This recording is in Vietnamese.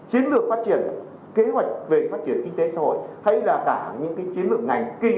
chiến lược phát triển kế hoạch về phát triển kinh tế xã hội hay là cả những chiến lược ngành kinh